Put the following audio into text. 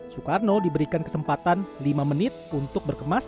soekarno diberikan kesempatan lima menit untuk berkemas